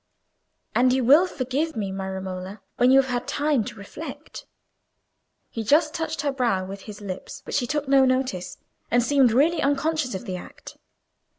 "And you will forgive me, my Romola, when you have had time to reflect." He just touched her brow with his lips, but she took no notice, and seemed really unconscious of the act.